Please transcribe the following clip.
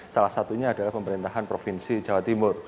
salah satunya adalah pemerintahan provinsi jawa timur